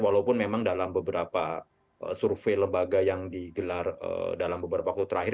walaupun memang dalam beberapa survei lembaga yang digelar dalam beberapa waktu terakhir